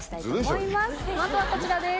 まずはこちらです。